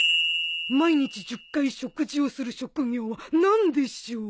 毎日１０回食事をする職業は何でしょう？